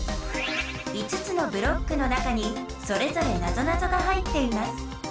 ５つのブロックの中にそれぞれなぞなぞが入っています。